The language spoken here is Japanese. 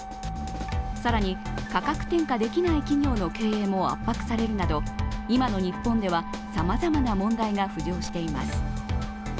更に、価格転嫁できない企業の経営も圧迫されるなど今の日本ではさまざまな問題が浮上しています。